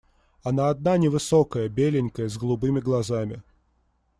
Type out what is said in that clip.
Она одна невысокая, беленькая, с голубыми глазами.